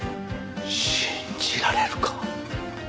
信じられるか？